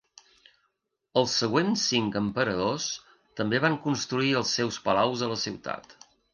Els següents cinc emperadors també van construir els seus palaus a la ciutat.